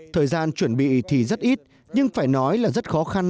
thời gian chuẩn bị thì rất ít nhưng phải nói là rất khó khăn